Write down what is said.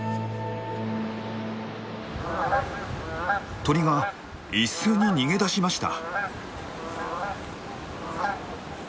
鳥が一斉に逃げ出しました。